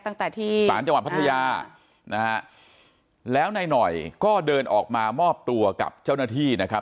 ตั้งแต่ที่ศาลจังหวัดพัทยานะฮะแล้วนายหน่อยก็เดินออกมามอบตัวกับเจ้าหน้าที่นะครับ